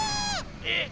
えっ⁉